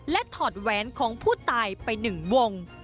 และถอดแหวนของผู้ตายไป๑วง